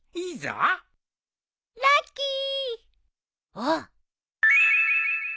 あっ！？